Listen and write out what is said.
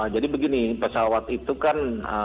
begini pesawat itu kan